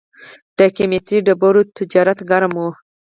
د قیمتي ډبرو تجارت ګرم و